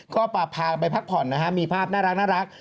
ก็พาไปพักผ่อนนะฮะมีภาพน่ารัก